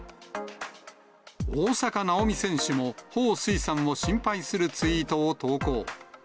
大坂なおみ選手も、彭帥さんを心配するツイートを投稿。